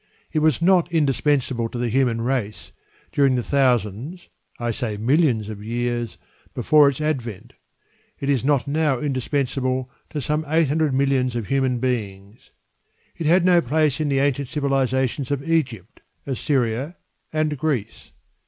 It was not indispensable to the human race during the thousands (I say millions) of years before its advent. It is not now indispensable to some eight hundred millions of human beings. It had no place in the ancient civilisations of Egypt, Assyria, and Greece.